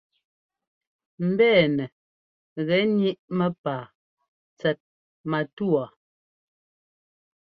Mbɛ̂nɛ gɛ́ níʼ mɛ́pǎa tsɛt matúwa.